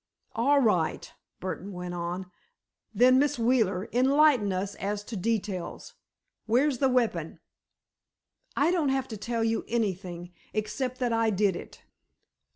"All right," Burdon went on, "then, Miss Wheeler, enlighten us as to details. Where's the weapon?" "I don't have to tell you anything except that I did it.